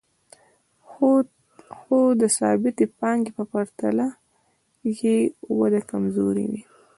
خو د ثابتې پانګې په پرتله یې وده کمزورې وي